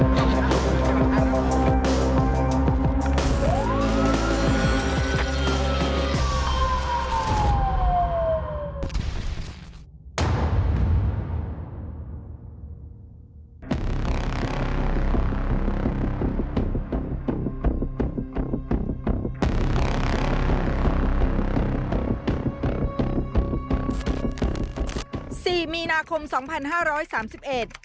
มีนาคมสองพันห้าร้อยสามสิบเอ็ดมือปืนบุกบันดาลสี่มีนาคมสองพันห้าร้อยสามสิบเอ็ด